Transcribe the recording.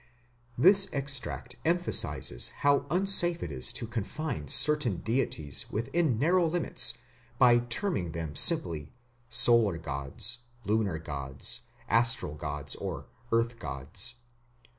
This extract emphasizes how unsafe it is to confine certain deities within narrow limits by terming them simply "solar gods", "lunar gods", "astral gods", or "earth gods".